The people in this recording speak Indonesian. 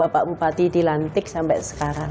pak bupati dilantik sampai sekarang